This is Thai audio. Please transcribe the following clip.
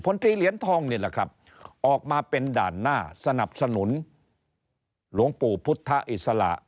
ตรีเหรียญทองนี่แหละครับออกมาเป็นด่านหน้าสนับสนุนหลวงปู่พุทธอิสระ